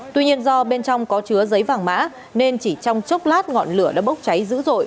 tuy nhiên do bên trong có chứa giấy vàng mã nên chỉ trong chốc lát ngọn lửa đã bốc cháy dữ dội